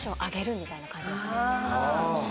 みたいな感じですよね。